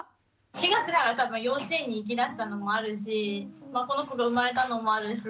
４月から多分幼稚園に行きだしたのもあるしこの子が生まれたのもあるし